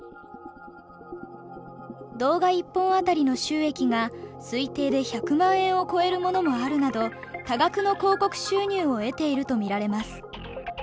動画１本当たりの収益が推定で１００万円を超えるものもあるなど多額の広告収入を得ていると見られます。